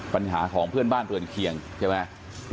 ปัญหาของเพื่อนบ้านเรือนเคียงใช่ไหม